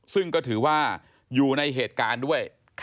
ซึ่งก็ถือว่าอยู่ในเหตุการณ์ด้วย